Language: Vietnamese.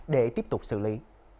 để tiếp tục xử lý